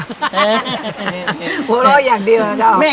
หัวเราะอย่างเดียวนะเจ้า